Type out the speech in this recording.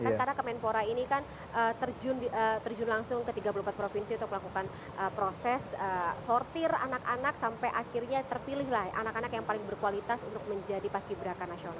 karena kemenpora ini kan terjun langsung ke tiga puluh empat provinsi untuk melakukan proses sortir anak anak sampai akhirnya terpilih lah anak anak yang paling berkualitas untuk menjadi paski beraka nasional